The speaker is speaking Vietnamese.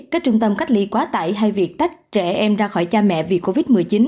các trung tâm cách ly quá tải hay việc tách trẻ em ra khỏi cha mẹ vì covid một mươi chín